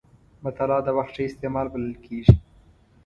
مطالعه د وخت ښه استعمال بلل کېږي.